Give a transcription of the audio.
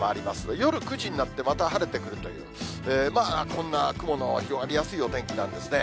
夜９時になってまた晴れてくるという、まあ、こんな雲の広がりやすいお天気なんですね。